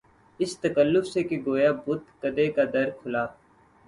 اس تکلف سے کہ گویا بت کدے کا در کھلا